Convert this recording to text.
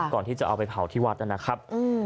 ก่อนที่จะเอาไปเผาที่วัดนะครับ